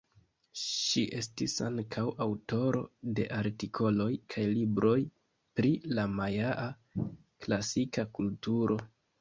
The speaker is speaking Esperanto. Ŝi estis ankaŭ aŭtoro de artikoloj kaj libroj pri la majaa klasika kulturo.